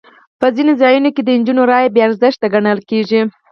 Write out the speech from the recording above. په ځینو ځایونو کې د نجونو رایه بې ارزښته ګڼل کېږي.